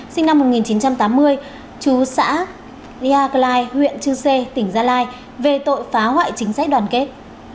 sinh năm một nghìn chín trăm tám mươi chú xã lia klai huyện chư sê tỉnh gia lai về tội phá hoại chính sách đoàn kết